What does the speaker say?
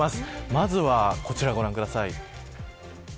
まずは、こちら、ご覧ください。